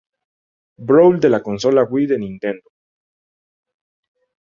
Brawl de la consola Wii de Nintendo.